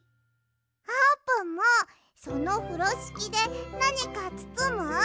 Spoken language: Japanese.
あーぷんもそのふろしきでなにかつつむ？